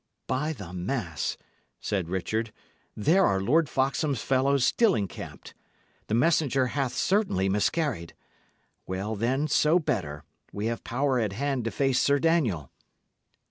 "By the mass," said Richard, "there are Lord Foxham's fellows still encamped. The messenger hath certainly miscarried. Well, then, so better. We have power at hand to face Sir Daniel."